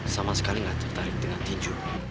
sama sekali nggak tertarik dengan tinju